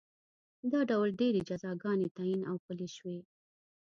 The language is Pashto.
دا ډول ډېرې جزاګانې تعین او پلې شوې.